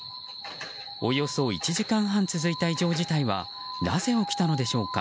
およそ１時間半続いた異常事態はなぜ起きたのでしょうか。